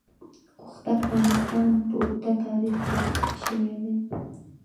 اوښ د افغانستان په اوږده تاریخ کې ذکر شوی دی.